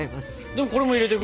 でもこれも入れていく？